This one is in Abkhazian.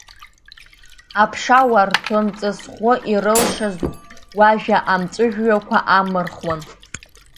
Аԥша уарҭон ҵысхәны, ирылшар, уажәа амҵәыжәҩақәа амырхуан.